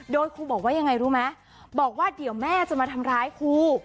โดยครูบอกว่ายังไงรู้ไหมบอกว่าเดี๋ยวแม่จะมาทำร้ายครู